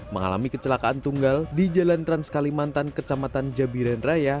mengalami kecelakaan tunggal di jalan trans kalimantan kecamatan jabiran raya